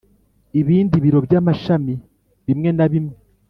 ibindi biro by amashami bimwe na bimwe